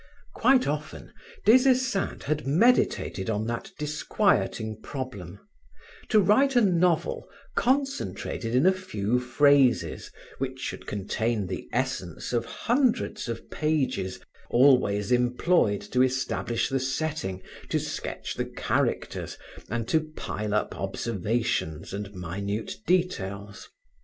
Quite often, Des Esseintes had meditated on that disquieting problem to write a novel concentrated in a few phrases which should contain the essence of hundreds of pages always employed to establish the setting, to sketch the characters, and to pile up observations and minute details.